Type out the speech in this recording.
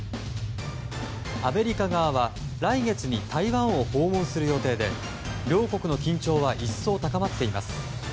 アメリカ側は来月に台湾を訪問する予定で両国の緊張は一層高まっています。